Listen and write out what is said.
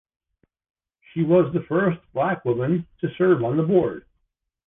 She was the first black woman to serve on the board.